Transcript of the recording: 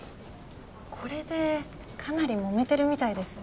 これでかなりもめてるみたいです。